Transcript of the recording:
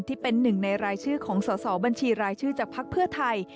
ที่เป็นหนึ่งในรายชื่อของสอสอบัญชีรายชื่อจากภักดิ์เพื่อไทย